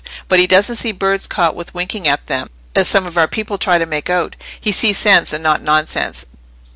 But he doesn't see birds caught with winking at them, as some of our people try to make out. He sees sense, and not nonsense.